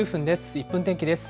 １分天気です。